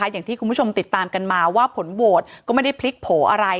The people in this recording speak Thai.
อย่างที่คุณผู้ชมติดตามกันมาว่าผลโหวตก็ไม่ได้พลิกโผล่อะไร